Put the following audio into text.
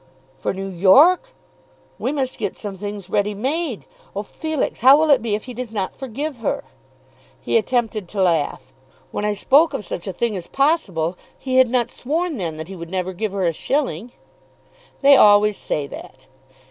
"For New York! We must get some things ready made. Oh, Felix, how will it be if he does not forgive her?" He attempted to laugh. "When I spoke of such a thing as possible he had not sworn then that he would never give her a shilling." "They always say that."